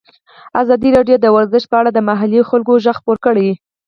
ازادي راډیو د ورزش په اړه د محلي خلکو غږ خپور کړی.